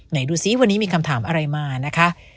ดูซิวันนี้มีคำถามอะไรมานะคะ